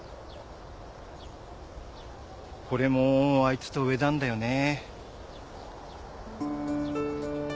これもあいつと植えたんだよね。